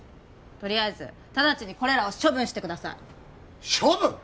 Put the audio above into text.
とりあえず直ちにこれらを処分してください処分！？